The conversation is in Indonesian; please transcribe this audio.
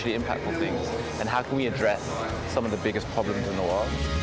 hal hal yang berarti hal hal yang berpengaruh dan bagaimana kita bisa menangani beberapa masalah terbesar di dunia